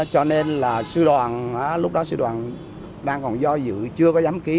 cho nên là sư đoàn lúc đó sư đoàn đang còn do dự chưa có giám ký